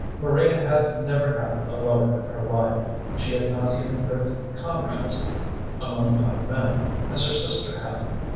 Maria had never had a lover in her life; she had not even good comrades among young men, as her sister had.